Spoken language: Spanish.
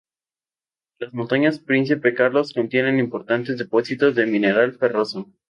Las montañas Príncipe Carlos contienen importantes depósitos de mineral ferroso.